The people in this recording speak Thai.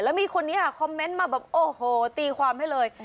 แล้วมีคนนี้คอมเมนต์มาแบบโอ้โหตีความให้เลย